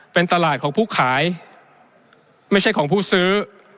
เป็นตลาดของผู้ขายไม่ใช่ของผู้ซื้อ